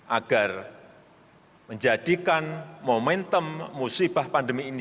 agar menjadikan momentum musibah pandemi ini